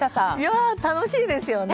楽しいですよね。